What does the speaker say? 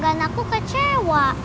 karena aku kecewa